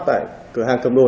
tại cửa hàng cầm đồ